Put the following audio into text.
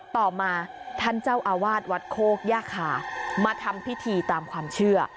ต่อมาท่านเจ้าอาวาสวัดโคกย่าคามาทำพิธีตามความเชื่อ